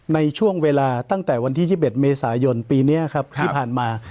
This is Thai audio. ในช่วงเวลาตั้งแต่วันที่๒๑เมษายนปีนี้ครับที่ผ่านมา